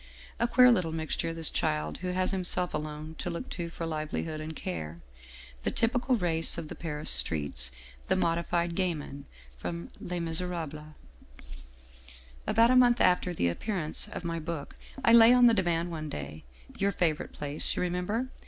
A queer little mixture this child who has himself alone to look to for livelihood and care, the typical race of the Paris streets, the modified gamin from ' Les Miserables/ " About a month after the appearance of my book I lay on the divan one day, your favorite place, you remem ber?